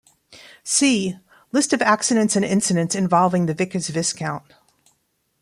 See "List of accidents and incidents involving the Vickers Viscount".